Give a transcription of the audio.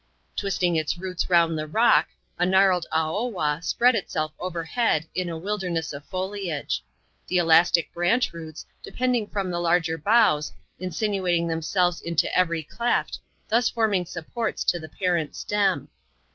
Twisting its roots round the rock, a gnarled *^ Aoa" spread itself overhead in a wilderness of foliage; the elastic branch roots depending from the larger boughs, in« fiinuating themselves into every cleft, thus forming supports to the parent stem.